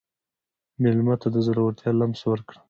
مېلمه ته د زړورتیا لمس ورکړه.